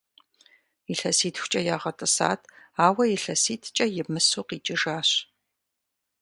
Илъэситхукӏэ ягъэтӏысат, ауэ илъэситӏкӏэ имысу къикӏыжащ.